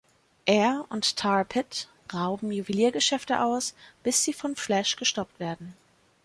Er und Tar Pit rauben Juweliergeschäfte aus, bis sie von Flash gestoppt werden.